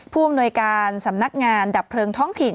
ผู้อำนวยการสำนักงานดับเพลิงท้องถิ่น